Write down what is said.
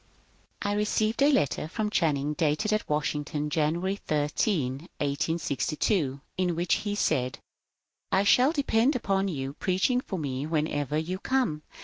I received a letter from Channing, dated at Washington, January 13, 1862, in which he said :— I shall depend upon your preaching for me whenever you come.